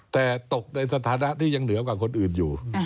แต่ตกในสถานะที่ยังเหนือกว่าคนอื่นอยู่